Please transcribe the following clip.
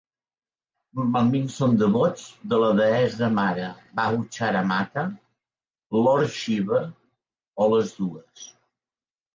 Normalment són devots de la deessa mare Bahuchara Mata, Lord Shiva, o les dues.